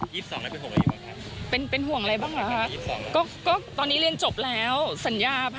อยากให้สัญญาต่อ